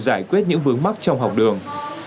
giải quyết những vướng mắt trong học đường